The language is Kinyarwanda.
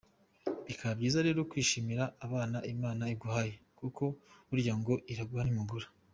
Bikaba byiza rero kwishimira abana Imana iguhaye, kuko burya ngo “Iraguha ntimugura”!.